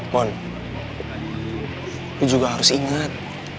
mon lo juga harus ingat